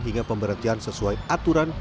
hingga pemberhentian sesuai aturan